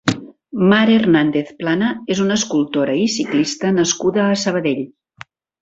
Mar Hernandez Plana és una escultora i ciclista nascuda a Sabadell.